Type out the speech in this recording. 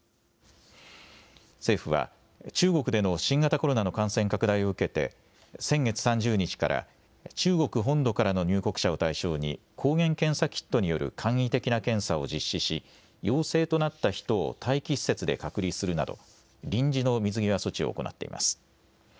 政府は、中国での新型コロナの感染拡大を受けて、先月３０日から中国本土からの入国者を対象に、抗原検査キットによる簡易的な検査を実施し、陽性となった人を待機施設で隔離するなど、臨時の水際措置を行っています。